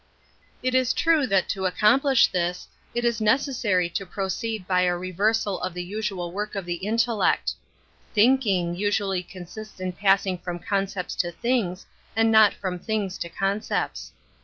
It is true that to accomplish this, it_u necessary to proceed by a reversal _ of _ the usual work of the intellect. Thinking usu ally consists in passing from concepts to Nothings, and not from things to concepts.